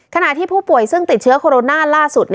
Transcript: ขณะที่ผู้ป่วยซึ่งติดเชื้อโคโรนาล่าสุด